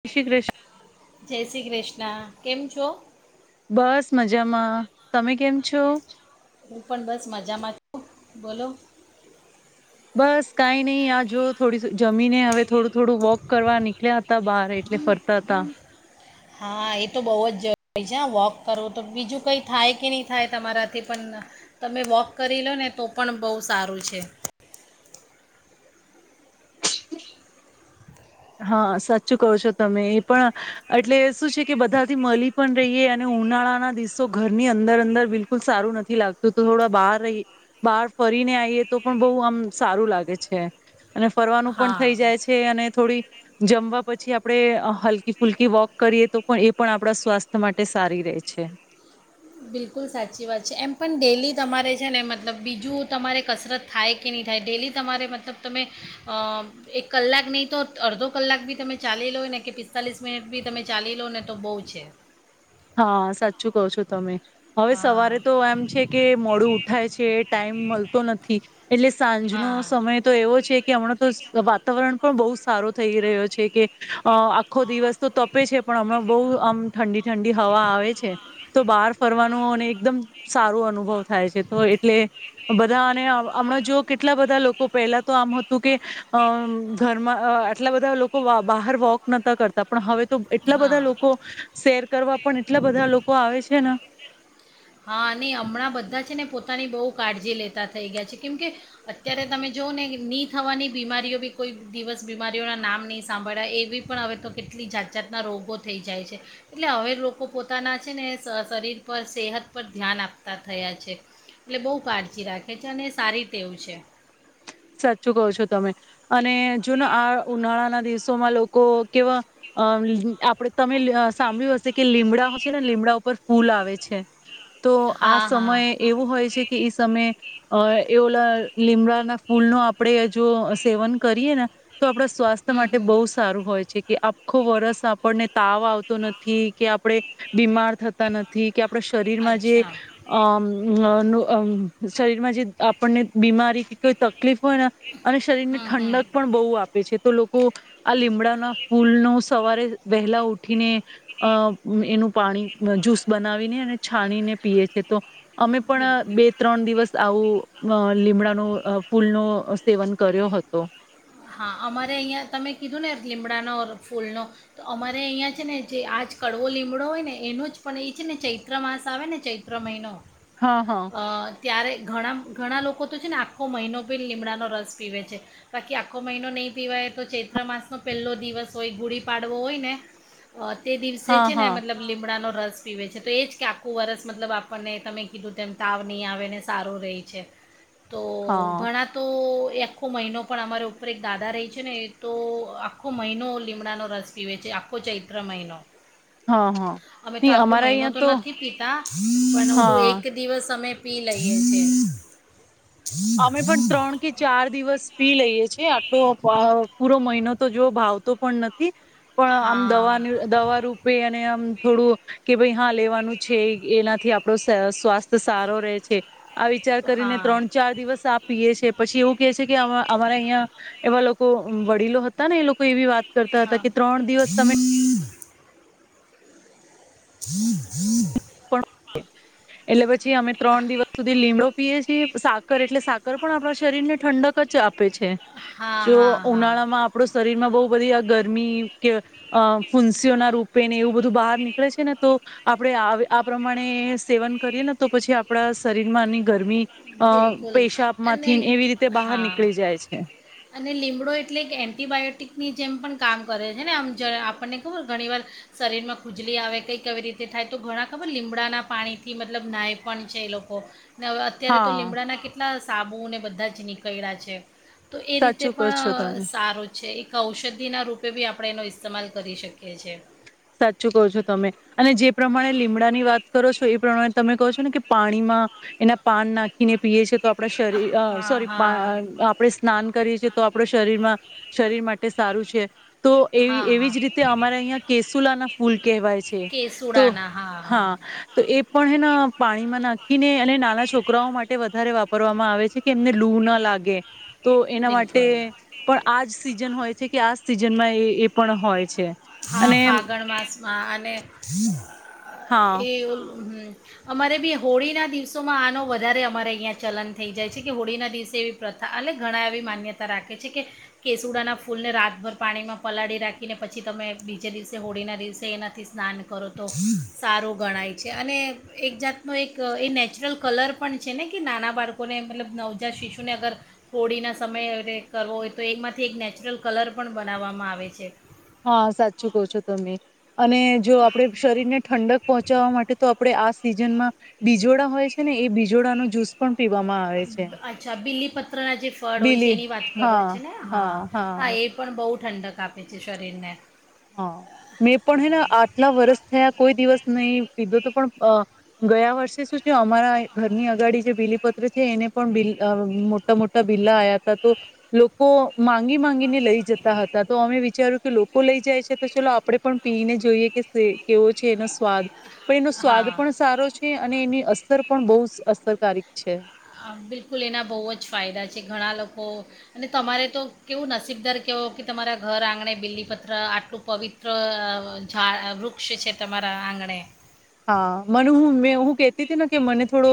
જય શ્રી કૃષ્ણ. જય શ્રી કૃષ્ણ કેમ છો. બસ મજામાં તમે કેમ છો. હું પણ બસ મજામાં છુ બોલો. બસ કઈ નહી આ જો થોડી જમીને હવે થોડું-થોડું વોક કરવા નીળ એટલે હતા બહાર એટલે ફરતા હતા. હા એ તો બહુ જ જરૂરી છે હ વોક કરવું તો બીજું કઈ થાય કે નહી થાય તમારાથી પણ તમે વોક કરી લો ને તો પણ બહુ સારું છે. હા સાચું કહો છો તમે એ પણ એટલે શું છે કે બધાથી મળી પણ રહીએ અને ઉનાળાના દિવસો ઘરની અંદર અંદર બિલકુલ સારું નથી લાગતું તો થોડા બહાર રહી બહાર ફરીને આવીઈએ તો પણ બહુ આમ સારું લાગે છે. અને ફરવાનું પણ હા થઈ જાય છે અને થોડી જમવા પછી આપણે હલકી ફુલકી વોક કરીએ તો પણ એ પણ આપણા સ્વાસ્થ્ય માટે સારી રહે છે. બિલકુલ સાચી વાત છે એમ પણ ડેલી તમારે છે ને મતલબ બીજું તમારે કસરત થાય કે નહીં થાય ડેલી તમારે મતલબ તમે એક કલાક નહીં તો અડધો કલાક બી તમે ચાલી લો ને કે પિસ્તાલીસ મિનિટ બી તમે ચાલી લો ને તો બહુ છે. હા સાચું કહો છો તમે. હવે સવારે હા તો એમ છે કે મોડું ઉઠાય છે ટાઈમ મળતો નથી એટલે સાંજનો હા સમય તો એવો છે કે હમણાં તો વાતાવરણ પણ બહુ સારો થઈ રહ્યો છે કે આખો દિવસ તો તપે છે પણ હમણાં બહુ આમ ઠંડી ઠંડી હવા આવે છે તો બહાર ફરવાનું અને એકદમ સારો અનુભવ થાય છે તો એટલે બધા અને હમણાં જો કેટલા બધા લોકો પહેલા તો આમ હતું કે. અ ઘરમાં આટલા બધા લોકો બહાર વોક નતા કરતા પણ હવે તો એટલા બધા હા લોકો શેર કરવા પણ એટલા બધા લોકો આવે છે ને હા ને હમણાં બધા ને પોતાની બહુ કાળજી લેતા થઈ ગયા છે કેમ કે અત્યારે તમે જોઓ ને ની થવાની બીમારીઓ બી કોઈ દિવસ બીમારીઓના નામ નહીં સાંભળ્યા એવી પણ હવે તો કેટલી જાત સા જાતના રોગો થઈ જાય છે એટલે હવે લોકો પોતાના છે ને શરીર પર સેહત પર ધ્યાન આપતા થયા છે એટલે બહુ કાળજી રાખે છે અને સારીતેવું છે. સાચું કહો છો તમે અને જો ને આ ઉનાળાના દિવસોમાં લોકો કેવા અ આપડ તમે સાંભળ્યું હશે કે લીમડા હ છે ને લીમડા ઉપર ફૂલ આવે છે. તો આ હા હા સમયે એવો હોય છે કે ઈ સમયે અ એવલા લિમડા ના ફૂલ નો આપડે જો સેવન કરીએ ને તો આપણા સ્વાસ્થ્ય હમ માટે હમ બહુ સારું હોય છે કે ખુબ વરષ આપણને તાવ આવતો નથી કે આપડે બીમાર થતા નથી કે આપણા શરીરમાં જે અચ્છા અમ શરીરમાં જે આપણને બીમારી તકલીફ હોય અને શરીરને હમ ઠંડક હમ પણ બહુ આપે છે તો લોકો આ લીમડાના ફૂલનો સવારે વહેલા ઉઠીને અ એનું પાણી જ્યુસ બનાવીને અને છાણીને પીએ છેએ તો અમે પણ બે ત્રણ દિવસ આવું લીમડાનું ફુલ નો સેવન કર્યો હતો. હા અમારે અહીંયા તમે કીધું ને લીમડાનો ફૂલનો તો અમારે અહીંયા છે ને જે આજ કડવો લીમડો હોય ને એનો જ પણ એ છે ને ચૈત્ર માસ આવે ને ચૈત્ર મહિનો. હા હા અ ત્યારે ઘણા ઘણા લોકો તો છે ને આખો મહિનો બી લીમડાનો રસ પીવે છે બાકી આ આખો મહિનો નહી પીવાય તો ચૈત્ર માસ ન પહેલો દિવસ હોય ગુડી પાડવો હોય ને. અ તે દિવસે હા છે ને હા મતલબ લીમડાનો રસ પીવે છે તો એજ કે આખું વરસ મતલબ આપણને તમે કીધું તેમ તાવ નહીં આવે ને સારું રહે છે. તો હા ઘણા તો આખો મહિનો પણ અમારો ઉપર એક દાદા રહી છે ને તો આખો મહિનો લીમડાનો રસ પીવે છે આખો ચૈત્ર મહિનો હા હા. અમે તો નહી આખો અમારા મહિનો અહં તો નથી પીતા પણ ઓલુ હા એક દિવસ અમે પી લઈએ છે. અમે પણ ત્રણ કે ચાર દિવસ પી લઈએ છીએ એ આટલો પૂરો મહિનો તો જોવ ભાવતો પણ નથી. પણ આમ હા દવા દવા રૂપે અને આમ થોડું કે ભાઈ હા લેવાનું છે એનાથી આપડો સ્વાસ્થ્ય સારો રહે છે. આ વિચાર કરીને હા ત્રણ ચાર દિવસ આપ પીએ છ છે. પછી એ. કે છે કે અમારા અહિયા એવા લોકો વડીલો હતા ને એ લોકો એવી વાત કરતા હા હતા કે ત્રણ દિવસ તમે [inaudible] એટલે પછી અમે ત્રણ દિવસ સુધી લીમડો પીએ છીએ. સાકર એટલે સાકર પણ આપણા શરીર ને ઠંડક કચ આપ આપે છે. હા જો હા હા ઉનાળામાં આપડો શરીરમાં બહુ બધી આ ગરમી કે અ ફુન્સીઓના રૂપ પેને એવું બધું બહાર નીકળે છે ને તો આપણે પ્રમાણે ને સેવન કરીએ ને તો પછી આપણા શરીરમાંની ગરમી અ બિલકુલ પેશાબ અને માંથી એવી રીતે બહાર હા નીકળી જાય છે. ની જેમ પણ કામ કરે છે ને, આમ જ આપણને ખબર ઘણીવાર શરીરમાં ખુજલી આવે કંઈ કેવી રીતે થાય તો ઘણા ખબર લીમડાના પાણીથી મતલબ નાય પણ છે એ લોકો. અત્યારે તો હા લીમડાના કેટલા સાબુને બધા જ નીકળ્યા છે. તો એ રીતે સાચું કહો પણ છો અ તમે. સારું છે. એક ઔષધિના રૂપે બી આપણે એનો ઇસ્તેમાલ કરી શકીએ છીએ. સાચું કહો છો તમે અને જે પ્રમાણે લીમડાની વાત કરો છો એ પ્રમાણે તમે કહો છો ને કે પાણીમાં એના પાન નાખીને પીએ છે. તો આપણા શરીર હા સોરી હા આપણે સ્નાન કરીએ છીએ તો આપણા શરીરમાં શરીર માટે સારું છે. તો એવી હા એવી હા જ રીતે અમારે અહં કેસુલા ફૂલ કવાય છે. તો હા એ પણ હેન પાણીમાં નાખીને અને નાના છોકરાઓ માટે વધારે વાપરવામાં આવે છે કે એમને લૂ ના લાગે. તો એના માટે બિલકુલ પણ આજ સિઝન હોય છે. કે આજ સિઝનમાં એ પણ હોય છે. હા અને ફાગણ માસમાં અને હા. એવું. હમ્મ અમારે બી હોળીના દિવસોમાં આનો વધારે અમારે અહીંયા ચલન થઈ જાય છે. કે હોળીના દિવસે એવી પ્રથા અને ઘણા એવી માન્યતા રાખે છે, કે કેસુડાના ફૂલને રાતભર પાણીમાં પલાળી રાખીને પછી તમે બીજે દિવસે હોળીના દિવસે એનાથી સ્નાન કરો તો સારું ગણાય છે. અને એક જાતનો એક એ નેચરલ કલર પણ છે ને કે નાના બાળકોને મતલબ નવજાત શિશુને અગર હોળીના સમયે કરવો હોય તો એમાંથી એક નેચરલ કલર પણ બનાવવામાં આવે છે. હા સાચું કહું છો તમે. અને જો આપડે શરીર ને ઠંડક પહોંચાવા માટે તો આપડે આ સિઝન માં બીજોડા હોય છે ને એ બીજોડા ન જુસ પણ પીવામાં આવે છે. અચ્છા બીલીપત્ર ના જે ફળ હોય છે એની વાત કરો છે ને, હા હા એ પણ બહુ ઠંડક આપે છે શરીરને. હ, મેં પણ હેને આટલા વરસ થયા કોઈ દિવસ નહી પીધો તો પણ અ ગયા વર્ષે શું છે અમારા ઘરની અગાડી જે બીલીપત્ર છે એને પણ બ મોટા મોટા બીલા આવયા હતા. તો લોકો માંગી માંગીને લઈ જતા હતા, તો અમે વિચાર્યું કે લોકો લઈ જાય છે. તો ચલો આપડે પણ પીને જોઈએ કે કેવો છે એનો સ્વાદ પણ એનો હા સ્વાદ પણ સારો છે. અને એની અસર પણ બહુ અસર તારીખ છે. બિલકુલ એના બહુ જ ફાયદા છે. ઘણા લોકો અને તમારે તો કેવું નસીબદાર કવો કે, તમારા ઘર આંગણે બીલીપત્ર આટલું પવિત્ર ઝાડ વૃક્ષ છે. તમારા આંગણે હા, મને હું મે હું કેતી હતી. ને કે મને થોડો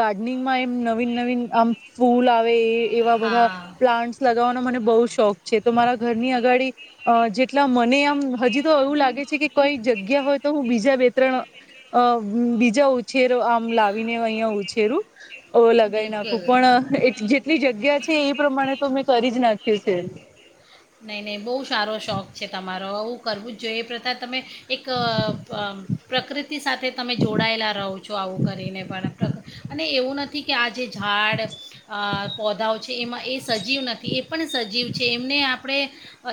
ગાર્ડનિંગમાં એમ નવીન નવીન આમ ફૂલ આવે એ એવા બધા હા પ્લાન્ટસ લગાવવાના મને બઉ શોખ. છે. તો મારા ઘરની અગાડી અ જેટલા મને આમ હજી તો એવું લાગે છે, કે કઈ જગ્યા હોય તો હું બીજા બે ત્રણ અ બીજા ઉછેરો આમ, લાવીને અહિયાં ઉછેરું ઓ લગી નાખું બિલકુલ પણ જેટલી જગ્યા છે. એ પ્રમાણે તો મેં કરી જ નાખ શ છે. નહી નહી બહુ સારો શોખ છે. તમારો આવું કરવું જ જોઈએ. એ પ્રથા તમે એક પ્રકૃતિ સાથે તમે જોડાયેલા રહો છો, આવું કરીને પણ અને એવું નથી. કે, આ જે ઝાડ પોધાઓ છે. એમાં એ સજીવ નથી. એ પણ સજીવ છે. એમને આપ આપણે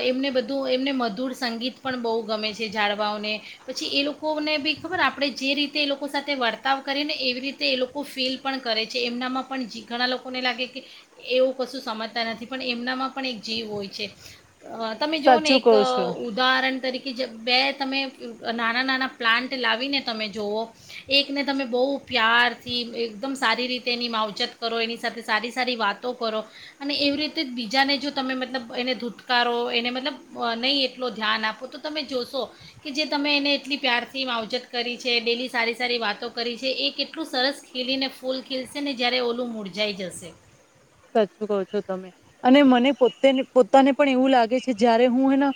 એમને બધું એમને મધુર સંગીત પણ બહુ ગમે છે. જાળવાઓને પછી, એ લોકોને બી ખબર આપણે જે રીતે એ લોકો સાથે વર્તાવ કરીએ, ને એવી રીતે એ લોકો ફીલ પણ કરે છે એમનામાં પણ જ ઘણા લોકોને લાગે કે એવું કશું સમજતા નથી. પણ, એમનામાં પણ એક જીવ હોય છે. અ તમે જોઓ ને સાચું એક કહું છું ઉદાહરણ તરીકે કે, જે બે તમે નાના નાના પ્લાન્ટ લાવીને તમે જુઓ એકને તમે બહુ પ્યારથી એકદમ સારી રીતે એની માવજત કરો એની સાથે સારી સારી વાતો કરો. અને એવી રીતે જ બીજાને જો તમે મતલબ એને ધૂ છુટકારો એને મતલબ નહીં, એટલો ધ્યાન આપો તો તમે જોશો કે જે તમે એને એટલી પ્યારથી માવજત કરી છે. ડેલી સારી સારી વાતો કરી છે. એ કેટલું સરસ ખીલીને ફૂલ ખીલશે ને જ્યારે, ઓલું મૂળજાઈ જશે. સાચું કહ છો તમે અને મને પોતેને પોતાને પણ એવું લાગે છે. જયારે હું હેને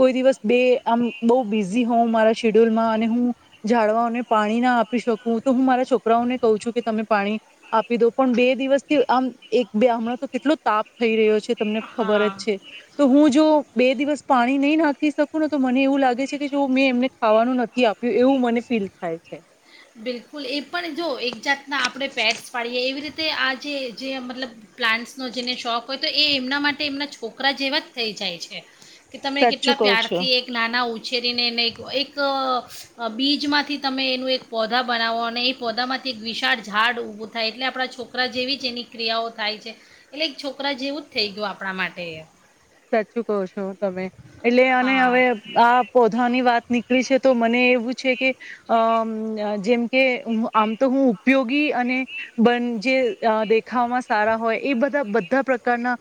કોઈ દિવસ બે આમ બહુ બિઝી હોઉં મારા શેડ્યુલમાં અને હું ઝડવાઓને પાણી ના આપી શકું, તો હું મારા છોકરાઓને કહ છું. કે તમે પાણી આપી દો પણ બે દિવસથી આમ એક બે હમણાં તો કેટલો તાપ થઈ રહ્યો છે. તમને ખબર જ હા છે. તો હું જો બે દિવસ પાણી નહી નાખી શકું. ને તો મને એવું લાગે છે. કે જો મેં એમને ખાવાનું નથી આપ્યું એવું મને ફીલ થાય છે. બિલકુલ એ પણ જો એક જાતના આપણે પેટ્સ પાડીએ. એવી રીતે આ જે જે મતલબ પ્લાન્ટ્સનો જેને શોખ હોય, તો એ એમના માટે એમના છોકરા જેવા જ થઈ જાય છે. કે તમે કેટલા સાચું કહો છો પ્યારથી એક નાના ઉ છેેરીને એને એક બીજમાંથી તમે એનું એક પૌધા બનાવો. અને એ પૌધામાંથી એક વિશાળ ઝાડ ઊભું થાય. એટલે આપણા છોકરા જેવી જ એની ક્રિયાઓ થાય છે. એટલે એક છોકરા જેવું જ થઈ ગયું આપણા માટે સાચું કઉ છો, તમે એટલે અને હા હવે, આ પૌધાની વાત નીકળી છે. તો મને એવુ છે કે, જેમકે, આમ તો હું ઉપયોગી અને બ જે દેખાવામાં સારા હોય એ બધા બધા પ્રકારના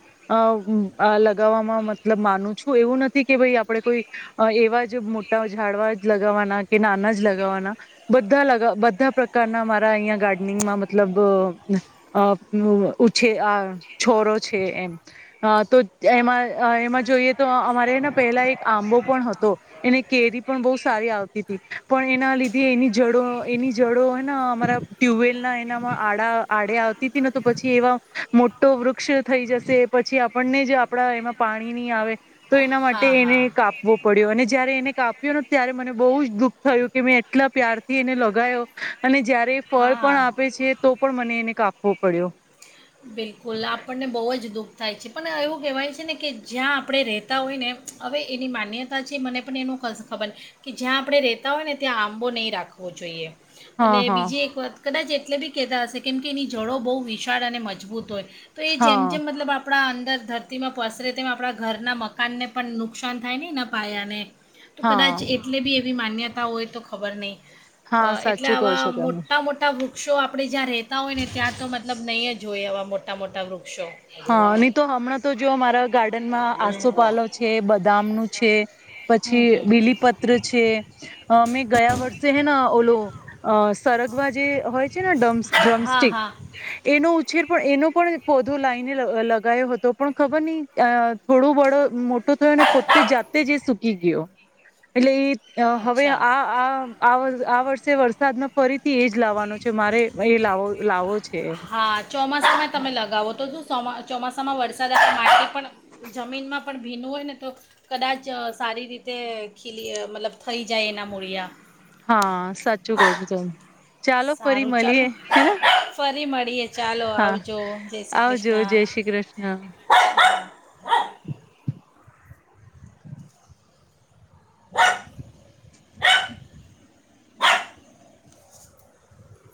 લગાવવામાં મતલબ માનું છું. એવું નથી કે ભાઈ આપડે કોઈ એવા જ મોટા ઝાડવા જ લગાવવાના કે નાના જ લગાવવાના બધા બધા પ્રકારના મારા અહીંયા ગાર્ડનિંગમાં મતલબ ઉછેર આ છોરો છે, એમ હ, તો એમા, એમાં જોઈએ તો અમારે પહેલા એક આંબો પણ હતો. એને કેરી પણ બહુ સારી આવતી હતી. પણ એના લીધે એની જડો એની જડો હેને અમારા ટ્યુબવેલ ના એનામાં આડા આડે આવતી હતી. ને તો પછી એવા મોટો વૃક્ષ થઈ જશે. પછી, આપણને જ આપડા એમાં પાણી નહી, આવે તો એના માટે હા એને હા કાપવો પડ્યો અને જયારે એને કાપ ત્યારે મને બહુ જ દુઃખ થયું કે મેં એટલા પ્યારથી એને લગાયો અને જ્યારે ફળ પણ હા આપે છે તો પણ મને એને કાપ પડ્યો બિલકુલ આપણને બહુ જ દુઃખ થાય છે પણ એવું કહેવાય છે ને કે જ્યાં આપણે રહેતા હોય ને હવે એની માન્યતા છે મને પણ એનું ખબર કે જ્યાં આપણે રહેતા હોય ને ત્યાં આંબો નહીં રાખવો જોઈએ. હા અને હા બીજી એક વાત કદાચ એટલે બી કહેતા હશે કેમ કે એની જોડો બહુ વિશાળ અને મજબૂત હોય. તો એ હા જેમ-જેમ મતલબ આપણા અંદર ધરતીમાં પસરે તેમ આપણા ઘરના મકાનને પણ નુકસાન થાય નહીં પાયાને તો હા કદાચ એટલે બી ની માન્યતા હોય તો ખબર નહીં. હા એટલે સાચું કહો આવા છો તમે મોટા મોટા ભૂ શો આપણે જ્યાં રહેતા હોય ને ત્યાં તો મતલબ નહીં જ જોઈ આવા મોટા મોટા વૃ હા નહી તો હમણાં તો જો મારા ગાર્ડનમાં આસોપાલો છે બદામ નું છે હમ પછી હમ બીલીપત્ર છે મેમે ગયા વર્ષે છે હેન ઓલો અ સરગવા જે હોય છે ને ડમ હા ડ્રમસ્ટિક હા એનો પણ એનો પણ પોધો લાઇ લગાયો હતો પણ ખબર ન થોડો વડો મોટો થયો પોતે જાતે જ સુકી ગયો એટલે એ અ હવે અચ્છા આ-આ વર્ષે વરસાદમાં ફરીથી એજ લાવવાનો છે મારે એ લાવો-લાવો છે એમ. ય તમે લગાવો તો શો ચોમાસામાં વરસાદ માટે પણ જમીનમાં પણ ભીનું હોય ને તો કદાચ સારી રીતે ખીલી મતલબ થઈ જાય એના મૂળિયા હા સાચું કહુ છું તમે ચાલો ફરી સારું મળીએ ચાલો હેના ફરી મળીએે ચાલો હા આવજો જય શ્રી આવજો કૃષ્ણ. જય શ્રી કૃષ્ણ [inaudible]